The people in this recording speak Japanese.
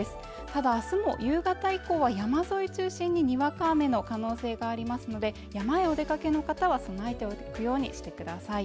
ただ明日も夕方以降は山沿い中心ににわか雨の可能性がありますので山へお出かけの方は備えておくようにしてください